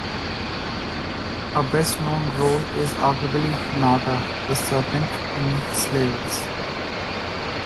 Her best-known role is arguably Naga the Serpent in "Slayers".